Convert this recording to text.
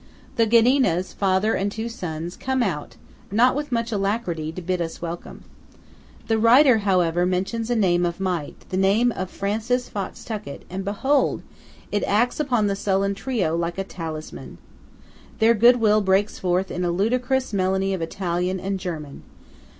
The Ghedinas, a father and two sons, come out, not with much alacrity, to bid us welcome. The writer, however, mentions a name of might–the name of Francis Fox Tuckett; and behold! it acts upon the sullen trio like a talisman. Their goodwill breaks forth in a ludicrous medley of Italian and German.